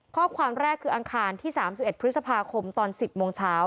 ข้อความแรกคืออังคารที่๓๑พฤษภาคมตอน๑๐โมงเช้า